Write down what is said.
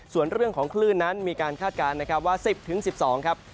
ส่วนเรื่องของคลื่นนั้นมีการคาดการณ์นะครับว่า๑๐๑๒ครับ